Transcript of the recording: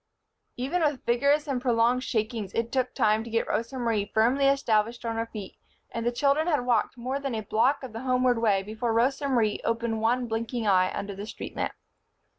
Even with vigorous and prolonged shakings it took time to get Rosa Marie firmly established on her feet, and the children had walked more than a block of the homeward way before Rosa Marie opened one blinking eye under the street lamp.